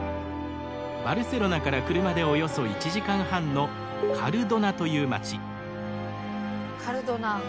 バルセロナから車でおよそ１時間半のカルドナ。